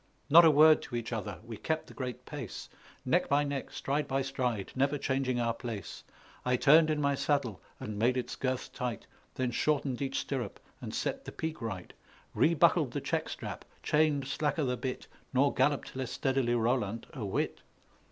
Not a word to each other; we kept the great pace Neck by neck, stride by stride, never changing our place; I turned in my saddle and made its girths tight, Then shortened each stirrup and set the pique right, Rebuckled the check strap, chained slacker the bit, Nor galloped less steadily Roland a whit.